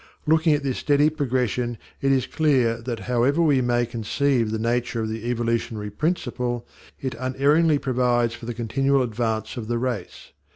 Looking at this steady progression it is clear that, however we may conceive the nature of the evolutionary principle, it unerringly provides for the continual advance of the race.